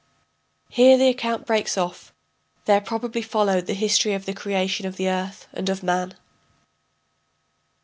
[Here the account breaks off; there probably followed the history of the creation of the earth and of man.